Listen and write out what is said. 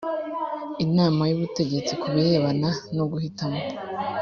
inama y ubutegetsi ku birebana no guhitamo